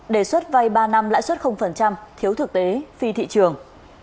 đề xuất vai ba năm lãi xuất thiếu thực tế phi thị trường